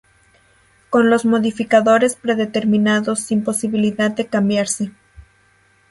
Con los modificadores predeterminados sin posibilidad de cambiarse.